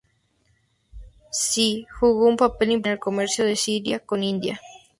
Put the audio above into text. C.., jugó un papel importante en el comercio de Siria con India.